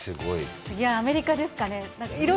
次はアメリカですかね。